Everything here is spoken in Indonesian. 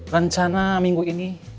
rencana minggu ini